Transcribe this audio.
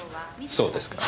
そうですか。